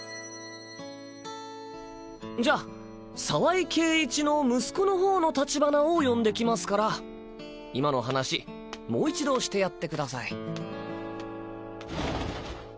じゃ澤井圭一の息子の方の立花を呼んできますから今の話もう一度してやってください。